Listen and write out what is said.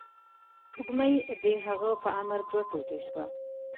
سپوږمۍ د هغه په امر دوه ټوټې شوه.